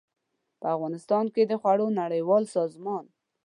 په افغانستان کې د خوړو نړیوال سازمان